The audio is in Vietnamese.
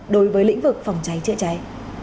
đối với lĩnh vực phòng cháy chữa cháy